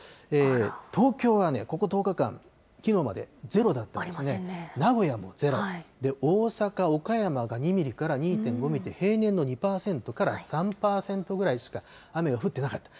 東京はここ１０日間、きのうまで０だったんですね、名古屋も０、大阪、岡山が２ミリから２．５ミリと、平年の２％から３％ぐらいしか雨が降ってなかった。